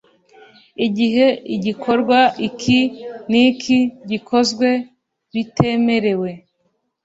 igihe igikorwa iki n iki gikozwe kitemerewe